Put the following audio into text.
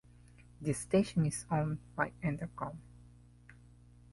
The station is owned by Entercom.